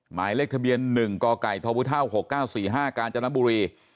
หมายเลขทะเบียน๑กไก่ทว๖๙๔๕กาญจนบุรี